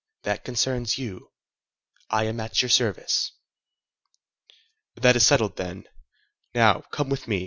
That concerns you. I am at your service." "That is settled then. Now, come with me.